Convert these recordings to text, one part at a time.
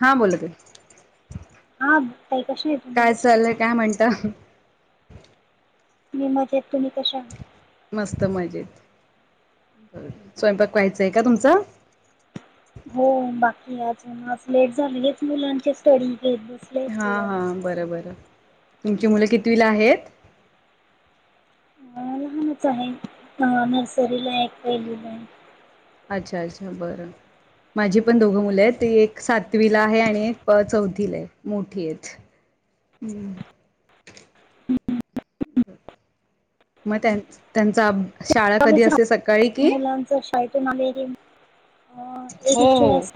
हा बोला की हा ताई कशा आहे तुम्ही? काय चालय काय म्हणत. मी मजेत तुम्ही कशा आहात. मस्त मजेत स्वयंपाक व्हायचा आहे का तुमच. हो बाकी अजून लेट झाली मुलांचे स्टडी घेत होते. हा हा बरं बरं तुमची मुलं किितवीला आहेत. [unintelligible] ानच आहे ह नर्सरीला आहे एक पहिलीला आहे. अच्छा अच्छा बरं. माझी पण दोघं मुलं आहेत ती एक सातवीला आहे आणि एक चौथीला आहे मोठी आहेत. हम्म. मग त्यां त्यांचा शाळा कधी विस असते सकाळी की मुलांच शायेतून आले गे एक हो खीच हो अस.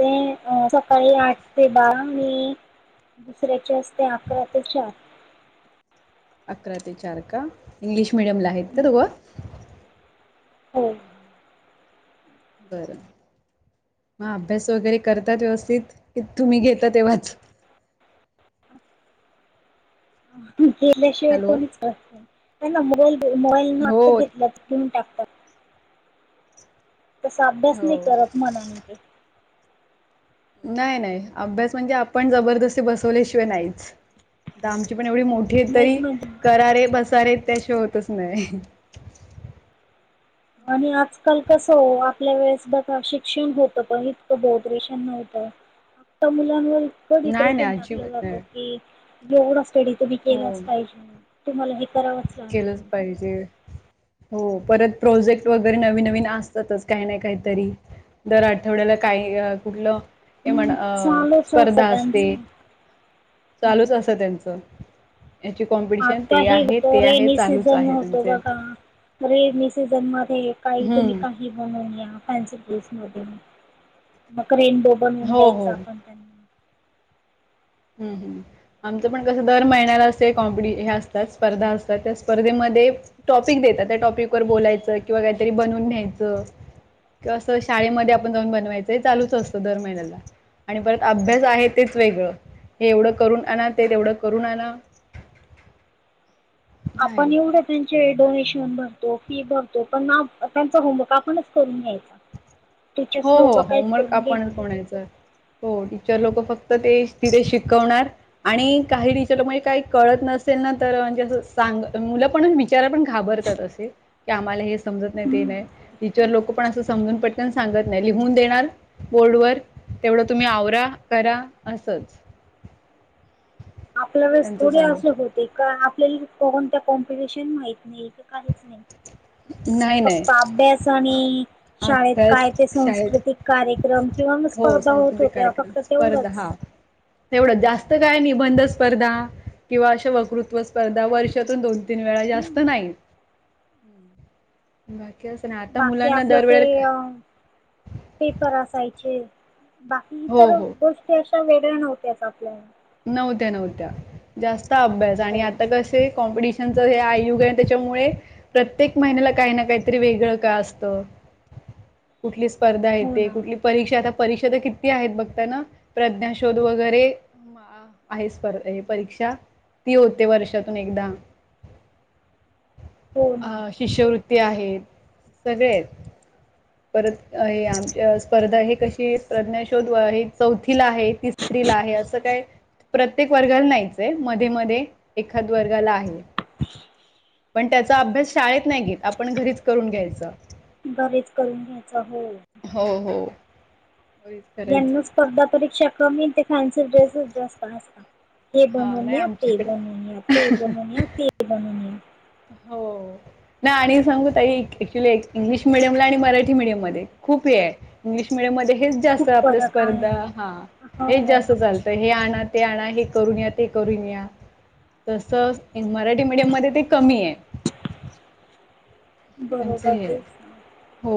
सकाळी आठ ते बारा आणि दुसऱ्याचे असते अकरा ते चार. अकरा ते चार का इंग्लिश मिीडियमला आहेत का हम्म. दोघ. हो. बरं मग अभ्यास वगैरे करतात व्यवस्थित की तुम्ही घेता तेव्हाच. गेल्याशिवाय हॅलो कोणीच नाही ना मोबाईल मोबाईल न हो आता घेतला. [unintelligible] ठेवून टाकतात तसा अभ्यास नाही हो करत मनाने. नाही नाही अभ्यास म्हणजे आपण जबरदस्ती बसवल्याशिवाय नाहीच. तर आमची पण एवढी मोठी आहे तरी नाहीच म्हणजे कारे बसारे त्याशि होतच नाही. आणि आजकाल कसं हो आपल्या वेळेस बघा शिक्षण होतं पण इतकं बहुत रेषण नव्हतं. तर मुलांवर नाही डिप्रेशन नाही टाकलं अजिबात जातं नाही की एवढा स्टडी तुम्ही हो केलाच पाहिजे म्हण. तुम्हाला जी करावतं. केलंच पाहिजे. हो परत प्रोजेक्ट वगैरे नवीन नवीन असतातच काही ना काहीतरी. दर आठवड्याला काही कुठलं. ए म्हण हम्म अ चालूच असतं स्पर्धा अस असते त्यांचं. चालूच अस त्यांचं याची कॉम्पिटिशन का ते आहे हो ते आहे रेनी चालूच सीझन आहे होतो त्यांचे बघ रेनी सीझन मध्ये काही तुम्ही हम्म काही बून या फन्सी ड्रेस म मग रेनडो बनून हो द्यायचा हो. आपण त्यांनी हम्म हम् आमचं पण कसं दर महिन्याला असे कॉम्पिटी हे असतात स्पर्धा असतात त्या स्पर्धेमध्ये टॉपिक देतात त्या टॉपिक वर बोलायचं किंवा काहीतरी बनवून घ्यायचं किंवा असं शाळेमध्ये आपण जाऊन बनवायचं चालूच असतं दर महिन्याला आणि परत अभ्यास आहे तेच वेगळं हे एवढं करून आण ते तेवढं करून आण. आहे. आपण एवढं त्यांचे डोनेशन बर फी भरतो पण ना त्यांचा होमवर्क आपणच करून घ्यायचा टीचर्स हो लोक हो काहीच होमवर्क करून घेत आपणच नाही म्हणायच हो टीचर लोक फक्त ते तिथे शिकवणार आणि काही टीचर म्हणजे काही कळत नसेल ना तर म्हणजे अस सांग मुलं पण विचारा पण घाबर की आम्हाला हे समजत नाही ते नाही टीचर लोकं पण असं समजून पटकन सांगत नाही लिहून देणार बोर्ड वर तेवढं तुम्ही आवरा करा असंच आपल्या वेळेस त्यांचं थोडे चालू असे होते आपल्याला कोण त्या कॉम्पिटिशन माहीत नाही की काहीच नाही [unintelligible] नाही. फक्त अभ्यास आणि शाळेत अभ्यास काय ते शाळेत सांस्कृतिक कार्यक्रम किंवा म हो सांस्कृतिक कार्यक्रम स्पर्धा हा एवढं जास्त काय निबंध स्पर्धा किंवा अशा वक्तृत्व स्पर्धा वर्षातून दोन. तीन वेळा जास्त नाही बाकी असचं नाही आता बाकी मुलांना आपले ते दरवेळे पेपर असायचे बाकी हो इतर हो गोष्टी अशा वेगळ्या नव्हत्याच आपल्याला नव्हत्या नव्हत्या जास्त अभ्यास हो आणि आता कसे कॉम्पिटिशन हे आयुग त्याच्यामुळे प्रत्येक महिन्याला काही ना काहीतरी वेगळं का असतं कुठलीच स्पर्धा हो येते ना कुठली परीक्षा आता परीक्षा तर किती आहेत बघता ना प्रज्ञाशोध वगैरे आहेप परीक्षा ती होते वर्षातून एकदा हो ना अ शिष्यवृत्ती आहेत सगळे आहेत परत आमच्या स्पर्धा हे कशी प्रज्ञा शोध व आहेत चौथीला आहे तिसरी ला आहे असं काय प्रत्येक वर्गाला नाहीयचंय मध्ये मध्ये एखाद वर्गाला आहे [unintelligible] पण त्याचा अभ्यास शाळेत नाही घेत आपण घरीच करून घ्यायचं बरेच करून घ्यायचं हो हो हो घरीच करायचं यांना स्पर्धा परीक्षा कमी ते फॅन्सी ड्रेसस जास्त असत ते हा बनवून नाही या ते आमच्याकडे बनवून या ते बनवूनया ते बनवूनया हो ना आणि सांगू ताई ऍक्च्युली एक इंग्लिश मिडियमला आणि मराठी मिडियम मध्ये खूप हे आहे इंग्लिश मिडियम मध्ये हेच खूप जास्त आपल्या फरक आहे. स्पर्धा हा हेच हो जास्त चालत तर हे आणा ते आणा हे करून या ते करून या. तस मराठी मीडियम मध्ये ते कमी आहे यांचे बरोबर तेच ना. हो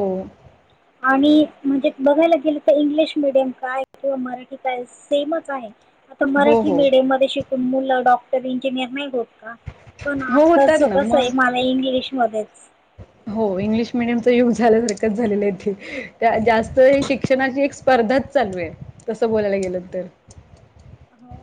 आणि म्हणजे बघायला गेलं तर इंग्लिश मिीडियम काय किंवा मराठी काय सेमच आहे हो मराठी हो मीडियम मध्ये शिकून मुलं डॉक्टर इंजिनियर नाही होत का. पण हो आताच होतात ना होतच आहे मग मला इंग्लिशमध्येध्येच हो इंग्लिश मिीडियमच युग झाल्यासारखंच झालेलं ते त्याजास्त शिक्षणाची एक स्पर्धाच चालूवेल तसं बोलायला गेलं तर हो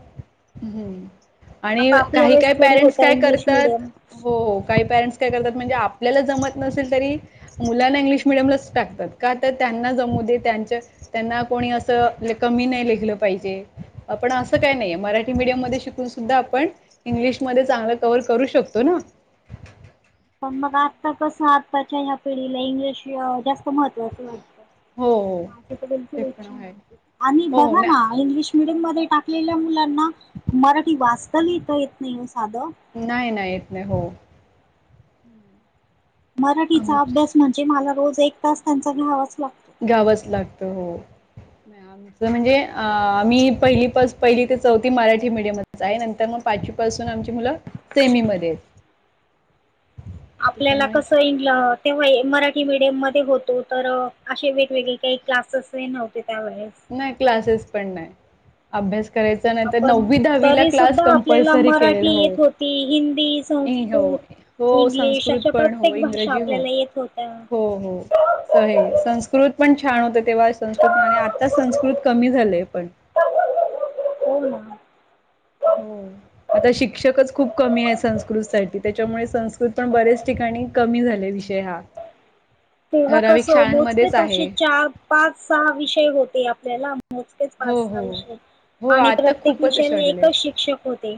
आणि आता आपल्या काही वेळेस काही थोडी पॅरेंट्स होत्या काय इंग्लिश करतात मिडियम हो काही पॅरेंट्स करतात म्हणजे आपल्याला जमत नसेल तरी मुलांना इंग्लिश मिडियमलाच टाकतात का तर त्यांना जमू दे त्यांच्या. त्यांना कोणी असं कमी नाही लिहिलं पाहिजे आपण असं काय नाहीय मराठी मीडियम मध्ये शिकून सुद्धा आपण इंग्लिशमध्ये चांगलं कव्हर करू शकतो ना पण मग आता कसं आत्ताच्या या्या पिढीला इंग्लिश जास्त महत्त्वाचं वाटतं हो, हो. माझ्याक बल ते पण इच्छा आहे. नाही आणि हो, हो. बघा ना आणि इंग्लिश मिीडियम मध्ये टाकलेल्या मुलांना मराठी वाचता लिहिता येत नाही ओ साधं नाही नाही येत नाही हो. मराठीचा अभ्यास म्हणजे मला रोज एक तास त्यांचा घ्यावाच लागतो द्यावच लागत हो आमच म्हणजेमी पहिलीपस पहिली ते चौथी मराठी मीडियमच आहे नंतर मग पाचवी पासून आमची मुलं सेमीमध्ये आपल्याला त्याच्यामुळे कसं इ तेव्हा मराठी मीडियम मध्ये होतो तर असे वेगवेगळे काही क्लासेसही नव्हते त्यावेळेस नाही क्लासेस पण नाही अभ्यास करायचा नंतर आपण नववी दहावीला तरी क्लास सुद्धा आपल्याला कंपल्सरी मराठी केलेला हो येत होती हिंदी ऐ हो संस्कृत हो इंग्लिश संस्कृत अशा पण हो प्रत्येक भाषा इंग्रजी हो. आपल्याला येत होत्या हो हो स हे संस्कृत पण छान होत तेव्हा संस्कृत आणि आता संस्कृत कमी झालंय पण हो ना हो अग शिक्षकच खूप कमी आहे संस्कृतसाठी त्याच्यामुळे संस्कृत पण बऱ्याच ठिकाणी कमी झाले विषय हा तेव्हा कस ठराविक शाळांमध्येच मोजकेेत आहे. असे चार पाच सहा विषय होते आपल्याला मोजकेच पाच हो सहा हो विषय हो आणि आता प्रत्येक खूपच विषय विषयाला वाढलेले आहेत. एकच शिक्षक होते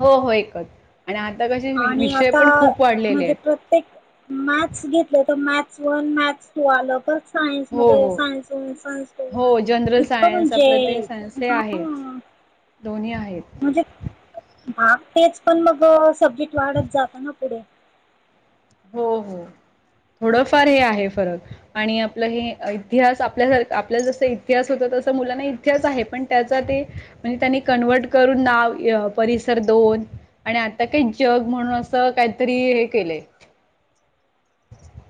हो हो एकच आणि आता कसे विषय पण खूप वाढलेले आहेत मार्क्स घेतलं तर मार्क्स वन मार्क्स टू आलंच बघ सायन्स हो मध्ये हो सायन्सयनस हो जनरल इतकं सायन्स म्हणजे आपलं ते सायन्स हे हा आहेच. दोन्ही आहेत म्हणजेग तेच पण मग सब्जेक्ट वाढत जात ना पुढे हो हो थोडंफार हे आहे फरक आणि आपलं हे इतिहास आपल्यासारख आपल्या जस इतिहास होत तस मुलांना तेच आहे पण त्याचा साठि म्हणजे त्यांनी कन्वर्ट करून नाव अ परिसर दोन आणि आता काही जग म्हणून असं काहीतरी हे केलंय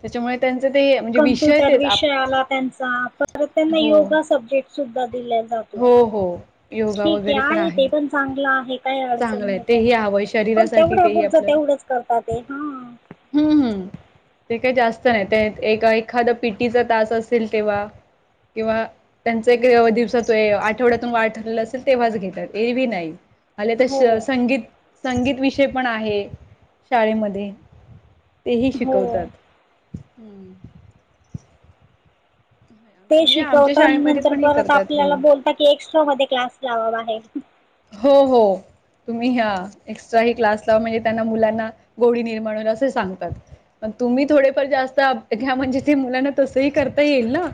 त्याच्यामुळे त्यांच ते म्हणजे विषय कम्प्युटर तेच आप विषय आला त्यांचा परत त्यांना हो योगा सब्जेक्ट सुद्धा दिले हो हो योगा ठीक आहे वगैरे आहे ते पण चांगलं आहे काही अडचण चांगलं आहे नाही तेही त्याची हवंय पण शरीरासाठी तेवढ्या तेही पुरर्ता तेवढच करतात ते हा हम् हम् ते काही जास्त नाही ते एक एखाद पिटीचा तास असेल तेव्हा किंवा त्यांचा एक दिवसा तो आठवड्यातून वाढ ठरलेला असेल तेव्हाच घेतात एरवीभ नाही आले त हो संगीत संगीत विषय पण आहे शाळेमध्ये तेही हो शिकवतात ते म्हणजे आमच्या शिकवता शाळेमध्ये नंतर पण हे परत करतात आपल्याला हो बोलता की एक्स्ट्रा मध्ये क्लास लावा आहे हो हो तुम्ही ह्या एक्स्ट्रा ह क्लास लावा म्हणजे त्यांना मुलांना गोडी निर्माण होल असं सांगतात मग तुम्ही थोडेफार जास्त घ्या म्हणजे ते मुलांना तसही करता येईल ना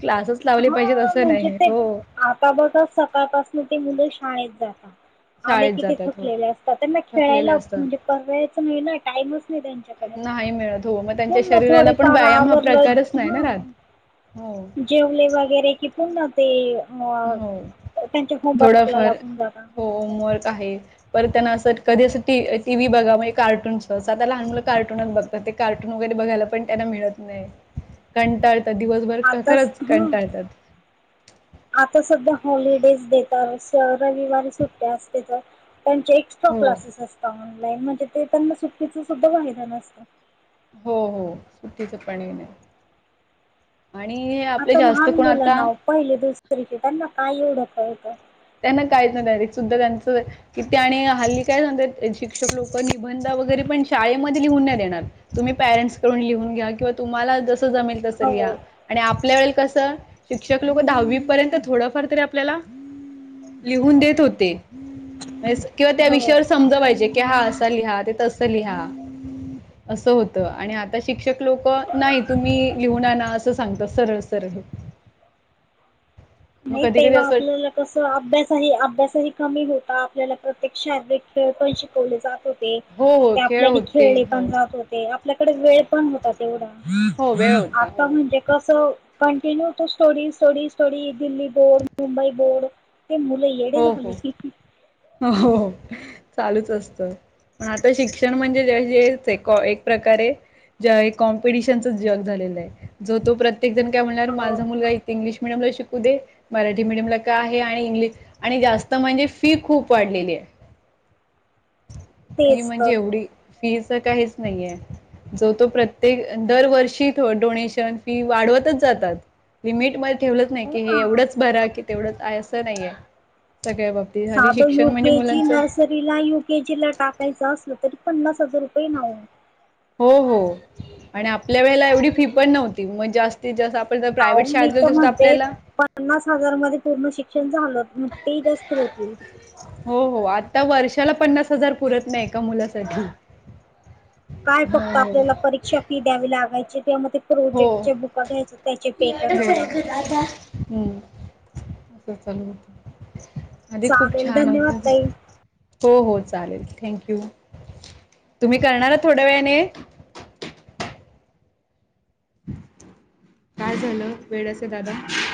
क्लासेस लावले पाहिजेत हा असं म्हणजे नाही ते हो आता बघ सकाळपासून ते मुलं शाळेत जातात आम्ही शाळेत किती जातात हो थकलेले असतात त्यांना थकलेले खेळायला असतात. म्हणजे करायचं नाही ना टाइमच नाही त्यांच्याकडे. नाही मिळत हो मग त्यांच्या पुन्हा शरीराला पण थोडेफार व्यायाम हा आवरलं प्रकारच नाही ह ना राात हो जेवले वगैरे कि पुन्हा ते म थोडाफार हो होमवर्क आहे परत त्यांना असं कधी असं ट टी व्ही बघा म्हग कार्टूनच आता लहान मुलं कार्टूनच बघ कार्टून वगैरे बघायला पण त्यांना मिळत नाही कंटाळत दिवस र आताच खरंच ह कंटाळतात आता सध्या हॉलिडेज देतात स रविवार सुट्ट्या असते तर पण एक्स्ट्रा हो. क्लासेस असतात ऑनलाईन म्हणजे ते त्यांना सुट्टकीचा सुद्धा वायदा नसत हो हो सुट्टीचं पाणी येण्या आणि हे आपले आता जास्त लहान कोण मुलांना आता अहो पहिले दुसरी शिटरना काय एवढं कातं त्यांना काहीच नाही डायरेक्ट सुद्धा त्यांच कि त्या आणि हल्ली काय सांगतात शिक्षक लोक निबंध वगैरे पण शाळेमध्ये लिहून न देणार तुम्ही पेरें्सड लिहून घ्या किंवा तुम्हा जसं जमेल लि या हो आणि आपल्या वेळेला कसं शिक्षक लोक दहावी पर्यंत थोडंफार तरी आपल्याला लिहून देत होते किंवा त्या हो विषयावर समज पाहिजे क हा असा लिहा ते तसं लिहा असं होत आणि आता शिक्षक लोक नाही तुम्ही लिहून आण असं सांगता सरस सर हो नाही तेव्हा आपल्याला तस अभ्यासही अभ्यासही कमी होता आपल्याला प्रत्येक श खेळ पण शिकवले जात होते हो हो ते खेळ आपल्याने होते खेळले हो पण जात होते आपल्याकडे वेळ पण होतात तेवढा हो वेळ होता आता हो म्हणजे कसं कंटिन्यू तो story story story Delhi board Mumbai board ते मुलं येडे हो झाले हो की हो चालूच असत ण आता शिक्षण म्हणजे जेच एक प्रकारे ज कॉम्पिटिशनच जग झालेलं आहे जो तो प्रत्ये प्र्यक जण काय म्हणणार हो माझा मुलगा इथ इंग्लिश मिीडियमला शिकू दे मराठी मीडियमला काय आहे आणि इंग्लि आणि जास्त म्हणजे फी खूप वाढलेली आहे फी तेच म्हणजे तर एवढी फीच काहीच नाहीये जो तो प्रत्येक दरवर्षी डोनेशन फी वाढवतच जातात लिमिट मध्ये ठेवलंच नाही हो की हे ना एवढंच बर की तेवढंच आहे असं नाहीय त्यागे बाब साध यू केे जी नैस यकेजी ला टाकायच असलं तरी पन्नास हजार रुपये नाव हो हो आणि आपल्या वेळेला एवढी फी पण नव्हती मग जास्त ते जसं आपण ज अहो प्रायव्हेट मी शाळेतलं तर तसं म्हणते आपल्याला पन्नास हजारमध्येध्ये पूर्ण शिक्षण झालं म्हणजे ते जास्त होतील हो हो आता वर्षाला पन्नास हजार पुरत नाही ए का मुलासाठी काय फक्त आपल्याला परीक्षा फी द्यावी लागायची तेव्हा हो प्रोजेक्ट च्या बुका घ्यायचे त्याचे पे कराव लागत हम् अस चालू होत आधी खूप चालेल छान धन्यवाद होते ताई हो हो चालेल थँंक यू तुम्ही करणार थोड्या वेळाने काय झालं वेळचं दादा